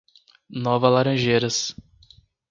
Nova Laranjeiras